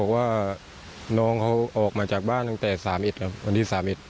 แล้วก็ขาดการติดต่อ